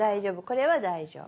これは大丈夫。